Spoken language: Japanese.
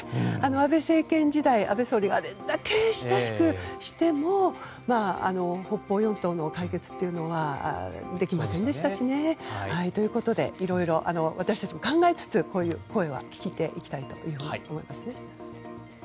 安倍政権時代、安倍総理があれだけ親しくしても北方四島の解決というのはできませんでしたしね。ということで、いろいろ私たちも考えつつこういう声は聞いていきたいというふうに思いますね。